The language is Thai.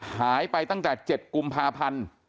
หายไปตั้งแต่๗กุมภาพันธ์